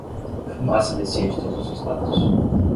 Fumaça descia de todos os lados.